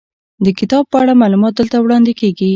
د کتاب په اړه معلومات دلته وړاندې کیږي.